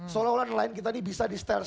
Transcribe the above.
seolah olah nelayan kita ini bisa di stel stel